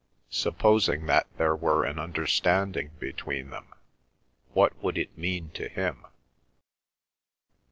Supposing that there were an understanding between them, what would it mean to him?